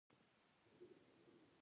ټولنې ته یو بل لیک واستاوه.